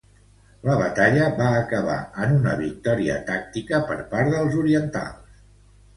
La batalla va acabar en una victòria tàctica per part dels orientals.